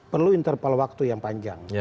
perlu interval waktu yang panjang